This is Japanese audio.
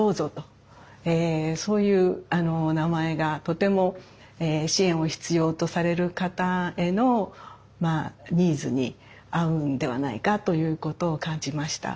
そういう名前がとても支援を必要とされる方へのニーズに合うんではないかということを感じました。